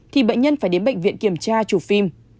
thì bệnh nhân phải đến bệnh viện kiểm tra chụp phim